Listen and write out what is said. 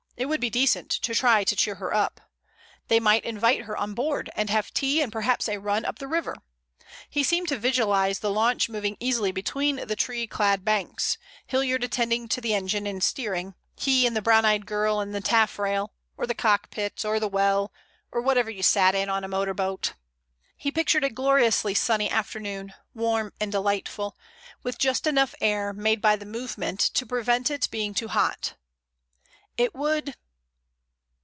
It would be decent to try to cheer her up. They might invite her on board, and have tea and perhaps a run up the river. He seemed to visualize the launch moving easily between the tree clad banks, Hilliard attending to the engine and steering, he and the brown eyed girl in the taffrail, or the cockpit, or the well, or whatever you sat in on a motor boat. He pictured a gloriously sunny afternoon, warm and delightful, with just enough air made by the movement to prevent it being too hot. It would...